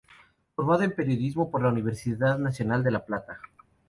Formado en periodismo por la Universidad Nacional de La Plata.